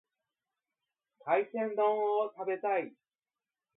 海鮮丼を食べたい。